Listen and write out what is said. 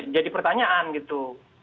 jadi pertanyaan gitu